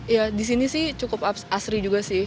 ya di sini sih cukup asri juga sih